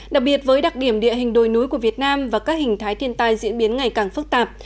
đặc biệt với đặc điểm địa hình đồi núi của việt nam và các hình thái thiên tai diễn biến ngày càng phức tạp